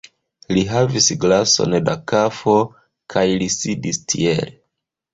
Li havis glason da kafo, kaj li sidis tiel: